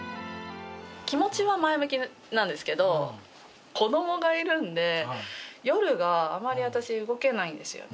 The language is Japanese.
気持ちは前向きなんですけど、子どもがいるんで、夜があまり私、動けないんですよね。